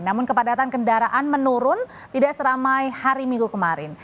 namun kepadatan kendaraan menurun tidak seramai hari minggu kemarin